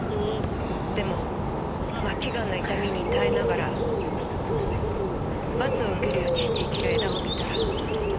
でも末期ガンの痛みに耐えながら罰を受けるようにして生きる江田を見たら。